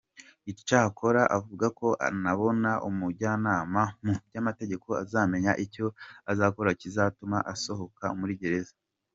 Icyakora avuga ko anabona umujyanama muby’amategeko azamenya icyo azakora kizatuma asohoka muri gereza.